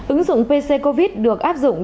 ứng dụng pc covid được áp dụng